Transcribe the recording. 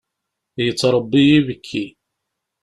Yettṛebbi ibekki.